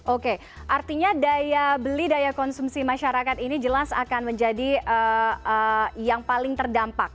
oke artinya daya beli daya konsumsi masyarakat ini jelas akan menjadi yang paling terdampak